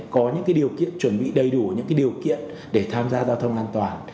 có những điều kiện chuẩn bị đầy đủ những điều kiện để tham gia giao thông an toàn